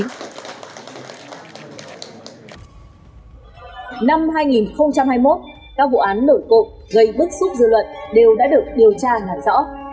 năm hai nghìn hai mươi một các vụ án nổi cộng gây bức xúc dư luận đều đã được điều tra làm rõ